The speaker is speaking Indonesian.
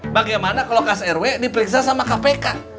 bagaimana kalau kas rw diperiksa sama kpk